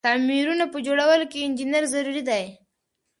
تعميرونه په جوړولو کی انجنیر ضروري ده.